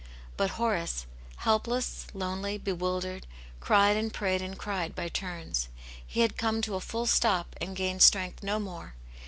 But Horace, helpless, lonely^ bewildered, cried and prayed and cried by turns ; he had come to a full «top and gained strength no more.